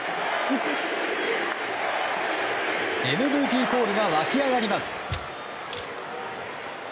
ＭＶＰコールが沸き上がります。